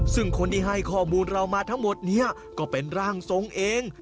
ซึ่งคนที่ให้ข้อมูลเรามาทั้งหมดนี้ก็เป็นร่างทรงเอง